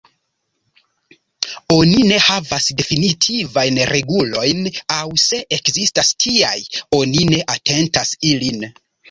Oni ne havas definitivajn regulojn, aŭ se ekzistas tiaj, oni ne atentas ilin.